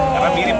sekarang mirip kan